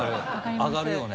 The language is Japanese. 上がるよね。